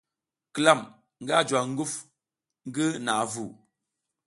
Klam nga juwa nguf ngi naʼa vu.